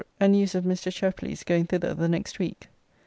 ] and news of Mr. Sheply's going thither the next week.